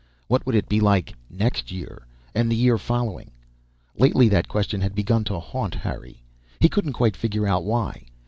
What would it be like next year, and the year following? Lately that question had begun to haunt Harry. He couldn't quite figure out why.